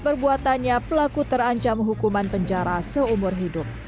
perbuatannya pelaku terancam hukuman penjara seumur hidup